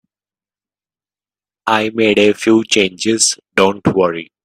I made a few changes, don't worry.